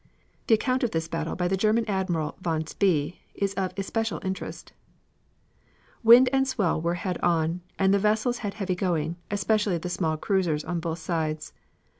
The account of this battle by the German Admiral von Spee is of especial interest: "Wind and swell were head on, and the vessels had heavy going, especially the small cruisers on both sides.